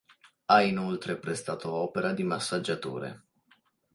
Ha inoltre prestato opera di massaggiatore.